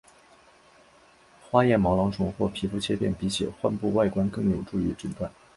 化验毛囊虫或皮肤切片比起患部外观更有助于诊断。